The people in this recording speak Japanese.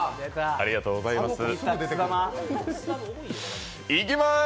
ありがとうございます。